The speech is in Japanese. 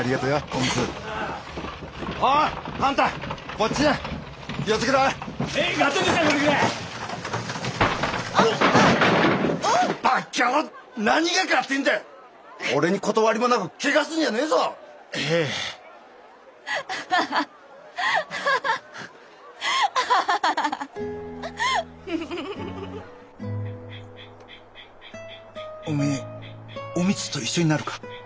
おめえお美津と一緒になるか？